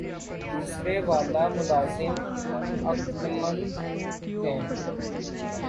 دوسرے والا ملازم عقلمند ہے